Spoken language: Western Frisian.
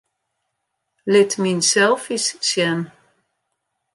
Lit myn selfies sjen.